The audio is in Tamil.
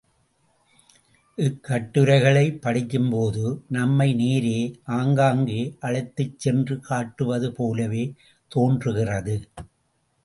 இக்கட்டுரைகளைப் படிக்கும்போது நம்மை நேரே ஆங்காங்கே அழைத்துச் சென்று காட்டுவது போலவே தோன்றுகிறது.